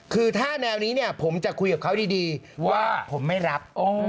คือถ้าแนวนี้เนี่ยผมจะคุยกับเขาดีว่าผมไม่รับ